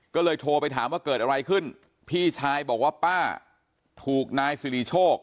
ก็เลยโทรไปถามว่าเกิดอะไรขึ้นพี่ชายบอกว่าป้าถูกนายสิริโชค